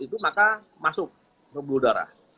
itu maka masuk pembuluh darah